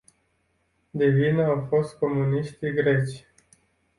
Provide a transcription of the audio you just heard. De vină au fost comuniștii greci.